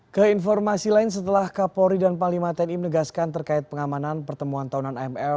keinformasi lain setelah kapolri dan palimateni menegaskan terkait pengamanan pertemuan tahunan amr